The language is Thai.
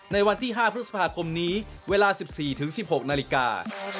ในวันที่๕พฤษภาคมนี้เวลา๑๔๑๖นาฬิกา